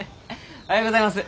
おはようございます。